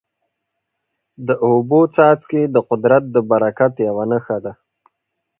د اوبو څاڅکي د قدرت د برکت یوه نښه ده.